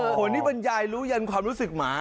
คนที่บรรยายรู้ยันความรู้สึกหมา